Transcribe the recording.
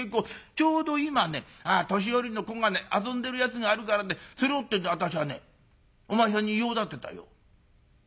ちょうど今ね年寄りの小金遊んでるやつがあるからねそれを』ってんで私はねお前さんに用立てたよ」。